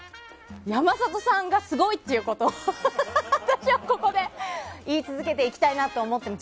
山里さんがすごいっていうことを私はここで言い続けていきたいなと思って。